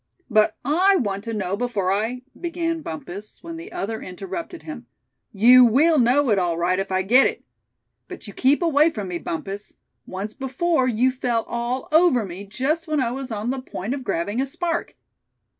'" "But I want to know before I " began Bumpus, when the other interrupted him. "You will know all right, if I get it. But you keep away from me, Bumpus. Once before, you fell all over me, just when I was on the point of grabbing a spark.